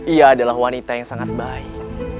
ia adalah wanita yang sangat baik